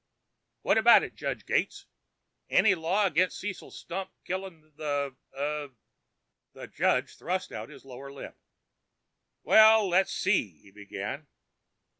"What about it, Judge Gates? Any law against Cecil Stump killing the ... uh...?" The judge thrust out his lower lip. "Well, let's see," he began.